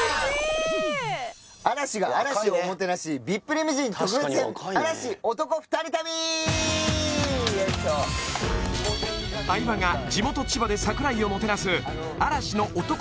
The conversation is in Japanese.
よいしょ相葉が地元千葉で櫻井をもてなす嵐の男